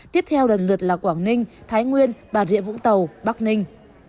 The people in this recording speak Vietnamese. tiếp theo lần lượt là quảng ninh thái nguyên bà rịa vũng tàu bắc ninh